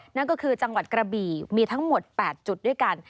นั่นก็คือจังหวัดกระบี่มีทั้งหมด๘จุดด้วยกัน